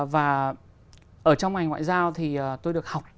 và ở trong ngành ngoại giao thì tôi được học